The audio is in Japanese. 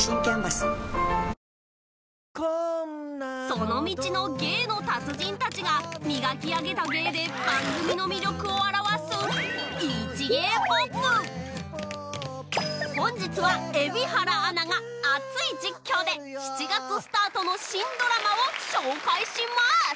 その道の芸の達人たちが磨き上げた芸で番組の魅力を表す本日は蛯原アナが熱い実況で７月スタートの新ドラマを紹介します